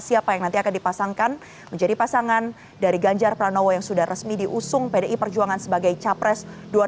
siapa yang nanti akan dipasangkan menjadi pasangan dari ganjar pranowo yang sudah resmi diusung pdi perjuangan sebagai capres dua ribu sembilan belas